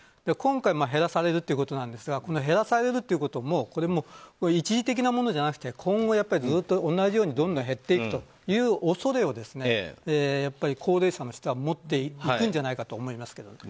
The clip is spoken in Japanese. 今回、減らされるということですが減らされるということもこれも一時的ではなく今後これからずっと同じようにどんどん減っていくという恐れを高齢者の人は持っていくんじゃないかと思いますけど。